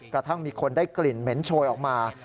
กระทั่งมีคนได้กลิ่นเหม็นโชยออกมา